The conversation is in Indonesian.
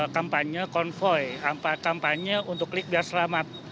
kampanye konvoy kampanye untuk klik biar selamat